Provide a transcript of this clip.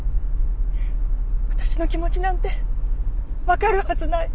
私の気持ちなんてわかるはずない。